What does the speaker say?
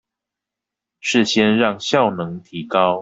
是先讓效能提高